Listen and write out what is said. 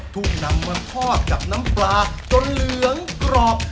ถูกนำมาทอดกับน้ำปลาจนเหลืองกรอบ